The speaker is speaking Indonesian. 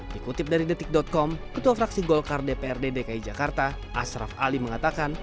dikutip dari detik com ketua fraksi golkar dprd dki jakarta ashraf ali mengatakan